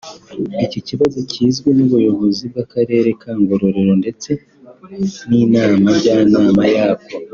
Iki kibazo kizwi n’ubuyobozi bw’akarere ka Ngororero ndetse n’Inama Njyanama yako